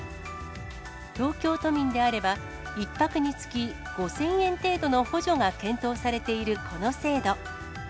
東京都民であれば、１泊につき５０００円程度の補助が検討されているこの制度。